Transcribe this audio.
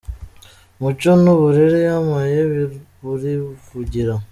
Umuco n'uburere yampaye burivugira.